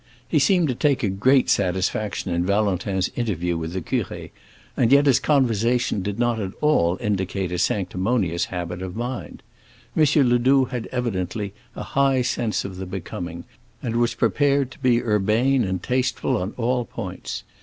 He seemed to take a great satisfaction in Valentin's interview with the curé, and yet his conversation did not at all indicate a sanctimonious habit of mind. M. Ledoux had evidently a high sense of the becoming, and was prepared to be urbane and tasteful on all points.